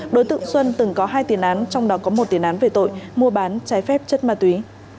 đối tượng xuân từng có hai tiền án trong đó có một tiền án về tội mua bán trái phép chất ma túy